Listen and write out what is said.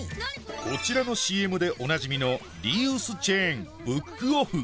こちらのＣＭでおなじみのリユースチェーンブックオフ